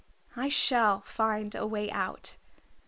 I shall find a way out.